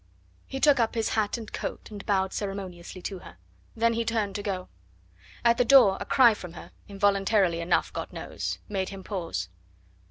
He took up his hat and coat and bowed ceremoniously to her. Then he turned to go. At the door a cry from her involuntarily enough, God knows! made him pause.